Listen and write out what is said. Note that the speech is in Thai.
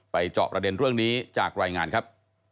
เจาะประเด็นเรื่องนี้จากรายงานครับ